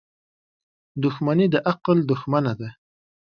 • دښمني د عقل دښمنه ده.